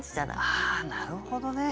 あなるほどね。